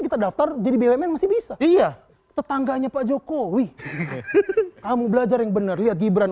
kita daftar jadi bumn masih bisa iya tetangganya pak jokowi kamu belajar yang benar lihat gibran